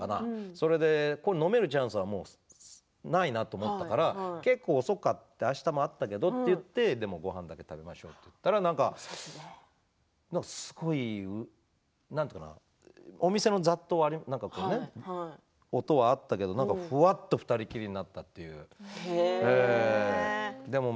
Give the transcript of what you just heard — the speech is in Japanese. それで、飲めるチャンスはないなと思ったから結構、遅くてあしたもあったけどということでごはんを食べましょうと言ってなんと言うのかなお店の雑踏が、音はあったけどふわっと２人きりになったという感じで。